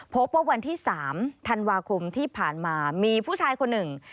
พบว่าวันที่๓ธันวาคมที่ผ่านมามีผู้ชายคนหนึ่ง